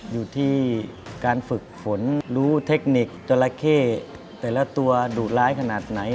อยู่ที่การฝึกฝนรู้เทคนิคจราเข้แต่ละตัวดุร้ายขนาดไหน